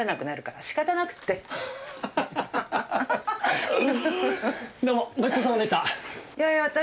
どうもごちそうさまでした。